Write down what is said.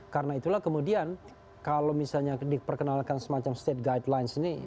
karena itulah kemudian kalau misalnya diperkenalkan semacam state guidelines ini